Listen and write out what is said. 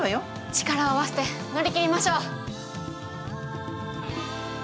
力を合わせて乗り切りましょう！